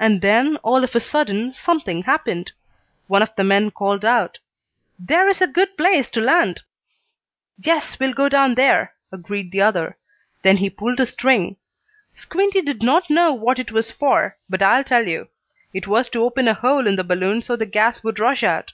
And then, all of a sudden, something happened. One of the men called out: "There is a good place to land!" "Yes, we'll go down there," agreed the other. Then he pulled a string. Squinty did not know what it was for, but I'll tell you. It was to open a hole in the balloon so the gas would rush out.